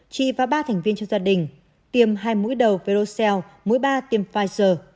chị và ba thành viên trong gia đình tiêm hai mũi đầu verocell mũi ba tiêm pfizer